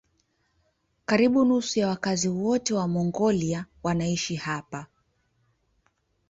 Karibu nusu ya wakazi wote wa Mongolia wanaishi hapa.